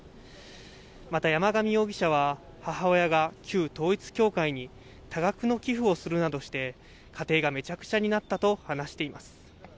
また、山上容疑者は母親が旧統一教会に多額の寄付をするなどして、家庭がめちゃくちゃになったと話しています。